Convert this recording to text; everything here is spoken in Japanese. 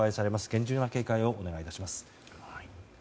厳重な警戒をお願い致します。